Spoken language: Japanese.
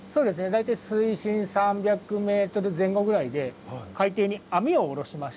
大体水深３００ｍ前後ぐらいで海底に網を下ろしまして。